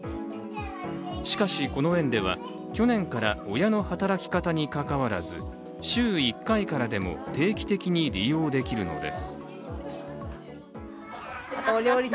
しかし、この園では去年から親の働き方にかかわらず週１回からでも定期的に利用できるのです。